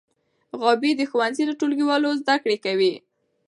غابي د ښوونځي له ټولګیوالو زده کړې کوي.